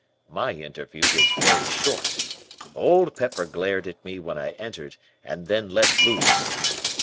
"My interview was very short. "Old Pepper glared at me when I entered, and then let loose.